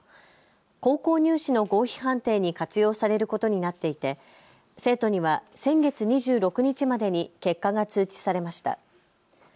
高校入試の合否判定に活用されることになっていて生徒には先月２６日までに結果が通知されました。